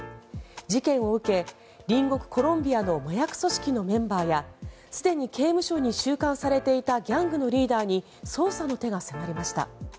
事件を受け、隣国コロンビアの麻薬組織のメンバーやすでに刑務所に収監されていたギャングのリーダーに捜査の手が迫りました。